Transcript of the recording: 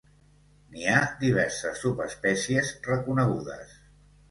N'hi ha diverses subespècies reconegudes.